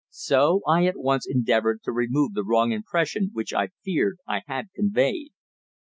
So I at once endeavoured to remove the wrong impression which I feared I had conveyed.